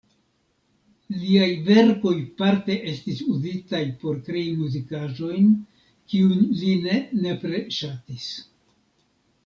Liaj verkoj parte estis uzitaj por krei muzikaĵojn, kiujn li ne nepre ŝatis.